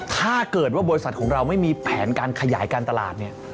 ถ้าเกิดว่าบริษัทของเราไม่มีแผนการขยายการตลาดเนี่ย